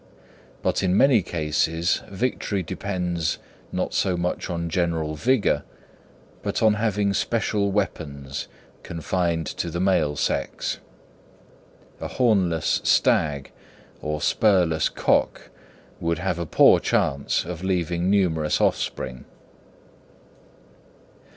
But in many cases victory depends not so much on general vigour, but on having special weapons, confined to the male sex. A hornless stag or spurless cock would have a poor chance of leaving numerous offspring.